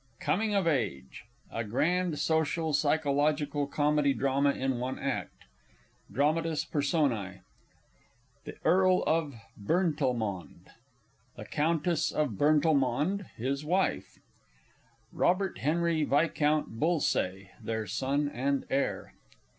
COMING OF AGE. A GRAND SOCIAL PSYCHOLOGICAL COMEDY DRAMA IN ONE ACT. DRAMATIS PERSONÆ. The Earl of Burntalmond. The Countess of Burntalmond (his wife). _Robert Henry Viscount Bullsaye (their son and heir).